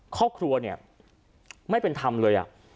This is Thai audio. ครอบครัวเนี่ยไม่เป็นธรรมเลย